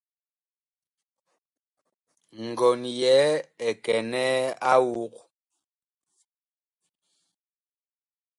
Ngɔn yɛɛ ɛ kɛnɛɛ a awug.